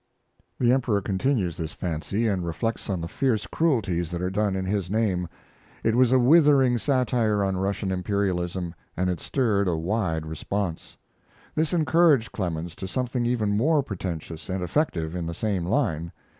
The emperor continues this fancy, and reflects on the fierce cruelties that are done in his name. It was a withering satire on Russian imperialism, and it stirred a wide response. This encouraged Clemens to something even more pretentious and effective in the same line.